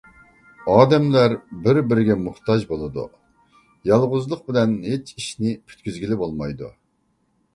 ئادەملەر بىر - بىرىگە موھتاج بولىدۇ. يالغۇزلۇق بىلەن ھېچ ئىشنى پۈتكۈزگىلى بولمايدۇ.